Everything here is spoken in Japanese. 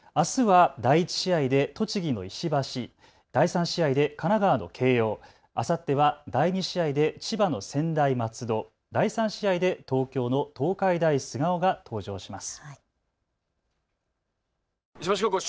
あすは第１試合で栃木の石橋、第３試合で神奈川の慶応、あさっては第２試合で千葉の専大松戸、第３試合で東京の東海大菅生が登場します。